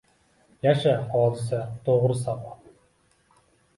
Yasha Hodisa to‘g‘ri savol.